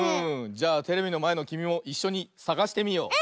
じゃあテレビのまえのきみもいっしょにさがしてみよう！